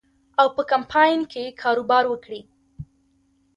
او په کمپاین کې کاروبار وکړي.